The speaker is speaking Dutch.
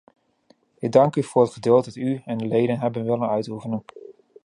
Ik dank u voor het geduld dat u en de leden hebben willen uitoefenen.